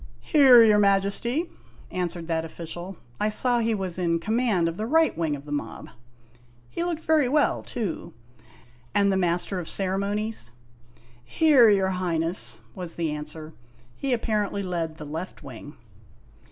" Here, your Majesty," answered* that official. I saw he was in command of the right wing of the mob. He looked very well, too " And the Master of Ceremonies ?'" Here, your Highness," was the answer. He apparently led the left wing.